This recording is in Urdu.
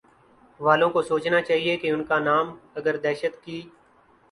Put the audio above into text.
والوں کو سوچنا چاہیے کہ ان کانام اگر دہشت کی